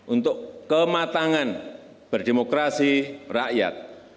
untuk kematangan berdemokrasi rakyat